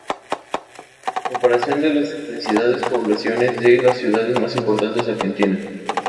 Comparación de las densidades poblacionales de las ciudades más importantes de Argentina.